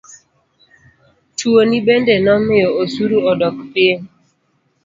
Tuoni bende nomiyo osuru odok piny.